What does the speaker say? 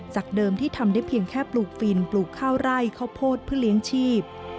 เดิมที่ทำได้เพียงแค่ปลูกฟินปลูกข้าวไร่ข้าวโพดเพื่อเลี้ยงชีพ